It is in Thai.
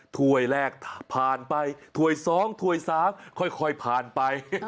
ถ้วยแรกผ่านไปถ้วย๒ถ้วย๓ค่อยผ่านไป